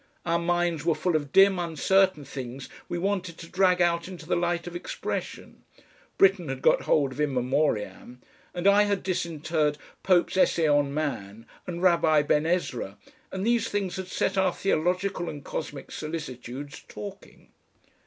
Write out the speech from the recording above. Our minds were full of dim uncertain things we wanted to drag out into the light of expression. Britten had got hold of IN MEMORIAM, and I had disinterred Pope's ESSAY ON MAN and RABBI BEN EZRA, and these things had set our theological and cosmic solicitudes talking.